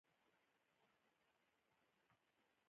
هغه امیر ته اولټیماټوم ورکړ.